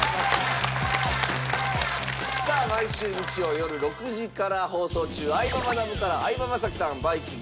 さあ毎週日曜よる６時から放送中『相葉マナブ』から相葉雅紀さんバイきんぐ